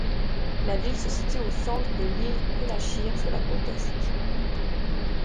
La ville se situe au centre de l'île Kounachir sur la côte est.